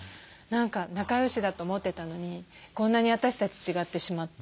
仲よしだと思ってたのにこんなに私たち違ってしまった。